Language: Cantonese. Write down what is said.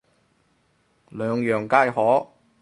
兩樣皆可